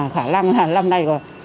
khả lăng là lần này rồi